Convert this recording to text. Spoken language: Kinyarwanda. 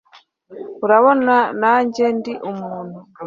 urabona nanjye ndi umuntu